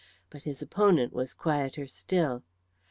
But his opponent was quieter still.